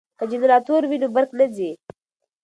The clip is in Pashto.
که جنراتور وي نو برق نه ځي.